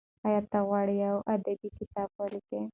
ایا ته غواړې یو ادبي کتاب ولیکې؟